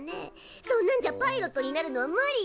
そんなんじゃパイロットになるのは無理よ。